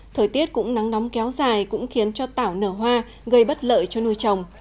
thời tiết cũng nắng nóng kéo dài cũng khiến cho tảo nở hoa gây bất lợi cho nuôi trồng